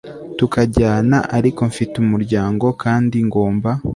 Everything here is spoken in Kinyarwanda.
tukajyana ariko mfite umuryango kandi ngomba